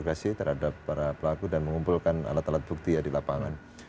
terima kasih terhadap para pelaku dan mengumpulkan alat alat bukti ya di lapangan